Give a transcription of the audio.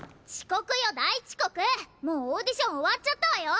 もうオーディションおわっちゃったわよ！